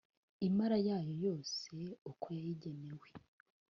imara yayo yose uko yayigenewe